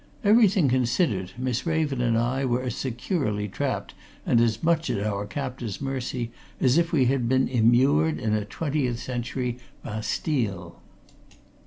Everything considered, Miss Raven and I were as securely trapped and as much at our captor's mercy as if we had been immured in a twentieth century Bastille.